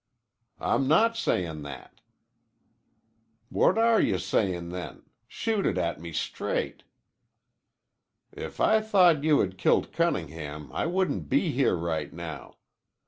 "I'm not sayin' that." "What are you sayin', then? Shoot it at me straight." "If I thought you had killed Cunningham I wouldn't be here now.